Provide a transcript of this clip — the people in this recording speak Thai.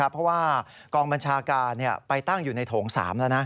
เพราะว่ากองบัญชาการไปตั้งอยู่ในโถง๓แล้วนะ